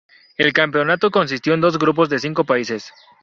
El campeonato consistió en dos grupos de cinco países.